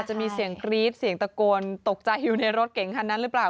จะมีเสียงกรี๊ดเสียงตะโกนตกใจอยู่ในรถเก๋งคันนั้นหรือเปล่า